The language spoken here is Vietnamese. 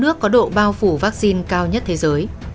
nước có độ bao phủ vaccine cao nhất thế giới